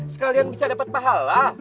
sekalian bisa dapet pahala